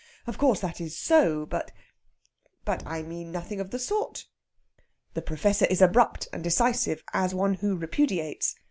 Of course that is so, but " "But I mean nothing of the sort." The Professor is abrupt and decisive, as one who repudiates.